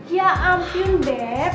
ya ampun beb